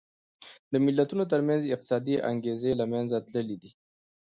د ملتونو ترمنځ یې اقتصادي انګېزې له منځه تللې دي.